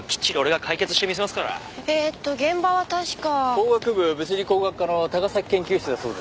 工学部物理工学科の高崎研究室だそうです。